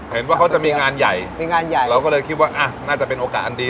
เห็นว่าเขาจะมีงานใหญ่มีงานใหญ่เราก็เลยคิดว่าอ่ะน่าจะเป็นโอกาสอันดี